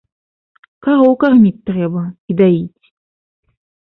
Кароў карміць трэба і даіць.